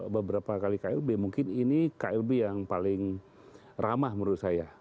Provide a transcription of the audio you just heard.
beberapa kali klb mungkin ini klb yang paling ramah menurut saya